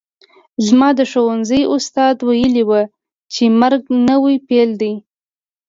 زما د ښوونځي استاد ویلي وو چې مرګ نوی پیل دی